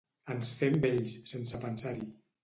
Ens fem vells, sense pensar-hi.